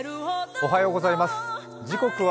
おはようございます。